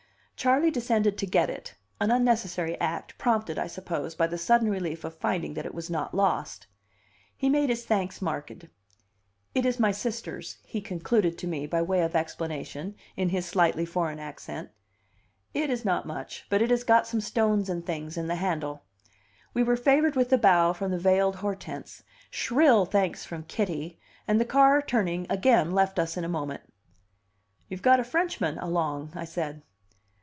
Charley descended to get it an unnecessary act, prompted, I suppose, by the sudden relief of finding that it was not lost. He made his thanks marked. "It is my sister's," he concluded, to me, by way of explanation, in his slightly foreign accent. "It is not much, but it has got some stones and things in the handle." We were favored with a bow from the veiled Hortense, shrill thanks from Kitty, and the car, turning, again left us in a moment. "You've got a Frenchman along," I said.